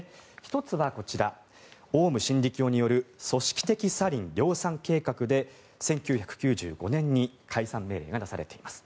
１つは、オウム真理教による組織的サリン量産計画で１９９５年に解散命令が出されています。